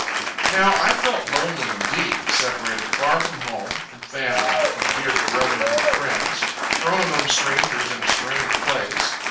Now I felt lonely indeed, separated far from home, from family, from dear brethren and friends; thrown among strangers in a strange place.